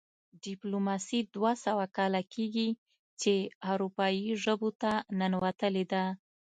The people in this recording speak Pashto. ډیپلوماسي دوه سوه کاله کیږي چې اروپايي ژبو ته ننوتلې ده